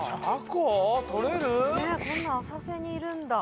こんなあさせにいるんだ。